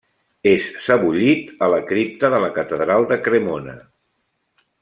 És sebollit a la cripta de la catedral de Cremona.